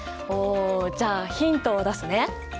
おじゃあヒントを出すね。